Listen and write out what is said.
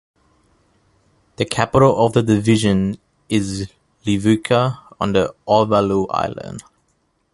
The capital of the division is Levuka, on the Ovalau island.